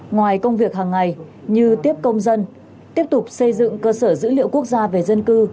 ngoài công việc hàng ngày như tiếp công dân tiếp tục xây dựng cơ sở dữ liệu quốc gia về dân cư